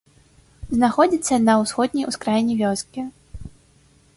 Знаходзіцца на ўсходняй ускраіне вёскі.